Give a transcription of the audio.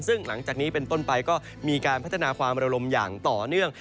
ซึ่งหลังจากนี้เป็นต้นไปก็มีการพัฒนาความระลมอย่างต่อเนื่อง